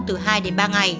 từ hai đến ba ngày